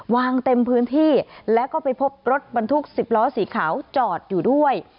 วางเต็มพื้นที่แล้วก็ไปพบรถบรรทุก๑๐ล้อสีขาวจอดอยู่ด้วย